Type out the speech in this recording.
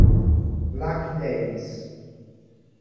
Lucky Days